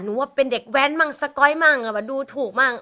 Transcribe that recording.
ว่าเป็นเด็กแว้นมั่งสก๊อยมั่งดูถูกมั่ง